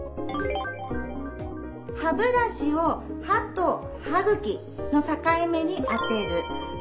歯ブラシを歯と歯茎の境目に当てる。